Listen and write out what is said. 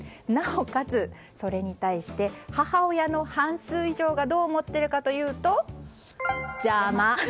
なおかつ、それに対して母親の半数以上がどう思っているかというと、邪魔。